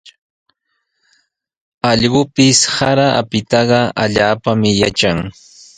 Allqupis sara apitaqa allaapami yatran.